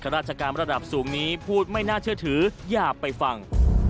ราชการระดับสูงนี้พูดไม่น่าเชื่อถืออย่าไปฟัง